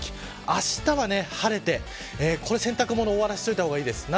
あしたは晴れて、洗濯物を終わらせておいた方がいいです。